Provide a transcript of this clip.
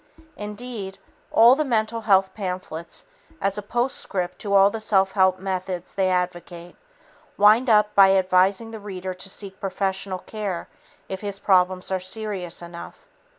Indeed, all the mental health pamphlets, as a postscript to the self help methods they advocate, wind up by advising the reader to seek professional care if his problems are serious enough.